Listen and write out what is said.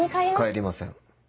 帰りません。